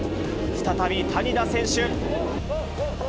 再び谷田選手。